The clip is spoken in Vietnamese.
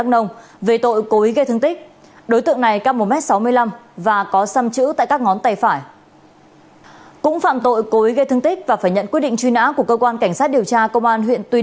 cũng về tội cố ý gây thương tích